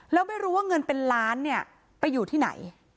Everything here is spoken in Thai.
แล้วไม่รู้ว่าเงินเป็นล้านเนี่ยไปอยู่ที่ไหน